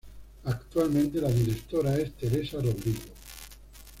Actualmente la directora es Teresa Rodrigo.